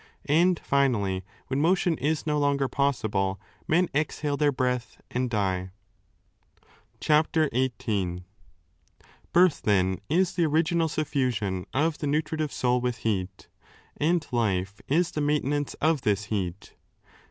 And finally, when motion is no longer possible, men exhale their breath and die. CHAPTER XVIIL Birth, then, is the original sufiusion of the nutritive soul with heat, and life is the maintenance of this heat.